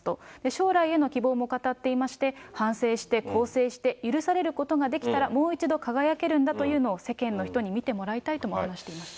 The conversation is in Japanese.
将来への希望も語っていまして、反省して、更生して、許されることができたら、もう一度輝けるんだというのを世間の人に見てもらいたいと話していました。